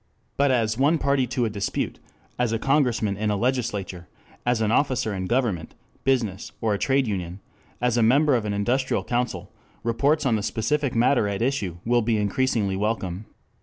But as one party to a dispute, as a committeeman in a legislature, as an officer in government, business, or a trade union, as a member of an industrial council, reports on the specific matter at issue will be increasingly welcome.